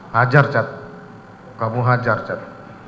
hajar chad kamu hajar chad